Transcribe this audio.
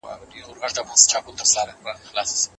ما خپل زوی ته هبه وکړه.